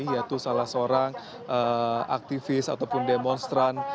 yaitu salah seorang aktivis ataupun demonstran